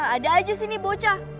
ada aja sini bocah